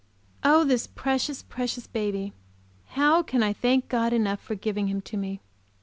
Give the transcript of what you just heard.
Oh, this precious, precious baby! How can I thank God enough for giving him to me!